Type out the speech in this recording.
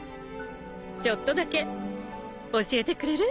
ちょっとだけ教えてくれる？